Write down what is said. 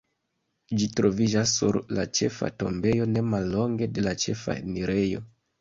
Ĝi troviĝas sur la ĉefa tombejo, ne mallonge de la ĉefa enirejo.